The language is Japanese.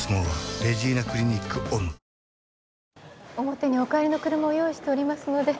表にお帰りの車を用意しておりますので。